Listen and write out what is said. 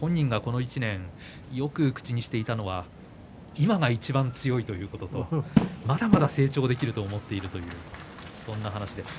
本人がこの１年よく口にしていた言葉は今がいちばん強いまだまだ成長できると思っているそういう言葉でした。